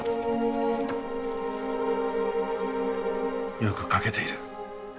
よく描けている。